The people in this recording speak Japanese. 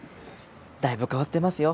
だいぶ変わってますよ。